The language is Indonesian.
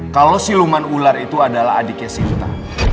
kalau siluman ular itu adalah adiknya sinta